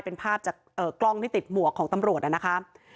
เป็นภาพจากกล้องที่ติดหมวกของตำรวจนะครับ